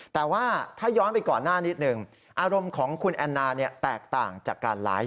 แต่ว่าถ้าย้อนไปก่อนหน้านิดหนึ่งอารมณ์ของคุณแอนนาแตกต่างจากการไลฟ์